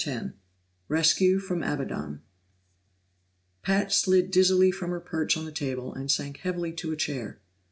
10 Rescue from Abaddon Pat slid dizzily from her perch on the table and sank heavily to a chair.